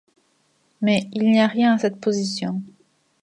Mais, il n'y a rien à cette position.